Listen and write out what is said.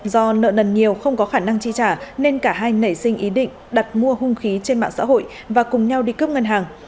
do nợ nần nhiều không có khả năng chi trả nên cả hai nảy sinh ý định đặt mua hung khí trên mạng xã hội và cùng nhau đi cướp ngân hàng